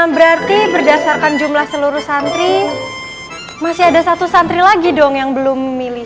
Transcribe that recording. berarti berdasarkan jumlah seluruh santri masih ada satu santri lagi dong yang belum memilih